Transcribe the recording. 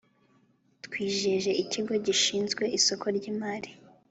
Twijeje Ikigo Gishinzwe Isoko ry Imari